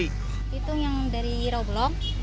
si pitung yang dari rawabelong